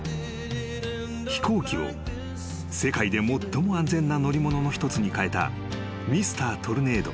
［飛行機を世界で最も安全な乗り物の一つに変えたＭｒ．トルネード